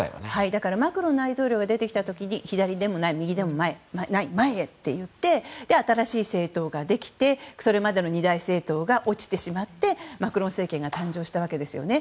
だからマクロン大統領が出てきた時に左でもない右でもない前へと言って新しい政党ができてそれまでの二大政党が落ちてしまってマクロン政権が誕生したわけですよね。